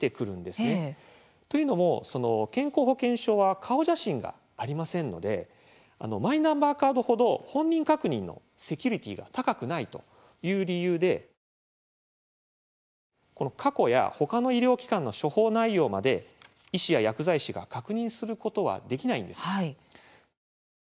というのも、健康保険証は顔写真がありませんのでマイナンバーカード程本人確認のセキュリティーが高くないという理由で過去や他の医療機関の処方内容まで医師や薬剤師が確認することはできないんです。